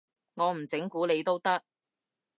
我唔整蠱你都得